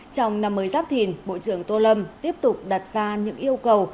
trong năm mới giáp thìn bộ trưởng tô lâm tiếp tục đặt ra những yêu cầu